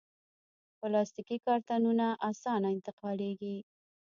پلاستيکي کارتنونه اسانه انتقالېږي.